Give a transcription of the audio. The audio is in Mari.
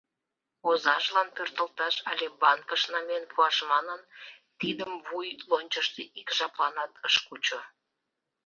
Озажлан пӧртылташ але банкыш намиен пуаш манын, тидым вуй лончышто ик жапланат ыш кучо.